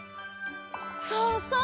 そうそう！